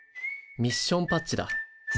ミッションパッチだ。